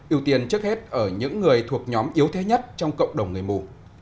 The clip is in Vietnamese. ưu tiên trước hết ở những người thuộc nhóm yếu thế nhất trong cộng đồng người mù